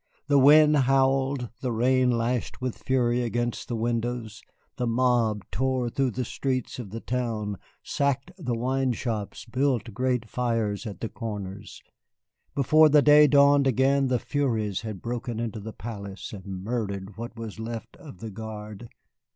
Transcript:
The wind howled, the rain lashed with fury against the windows, the mob tore through the streets of the town, sacked the wine shops, built great fires at the corners. Before the day dawned again the furies had broken into the palace and murdered what was left of the Guard.